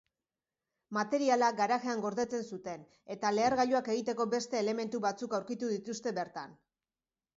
Materiala garajean gordetzen zuten eta lehergailuak egiteko beste elementu batzuk aurkitu dituzte bertan.